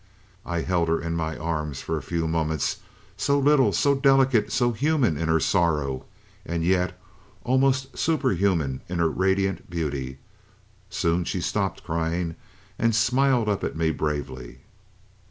"I held her in my arms for a few moments, so little, so delicate, so human in her sorrow, and yet almost superhuman in her radiant beauty. Soon she stopped crying and smiled up at me bravely.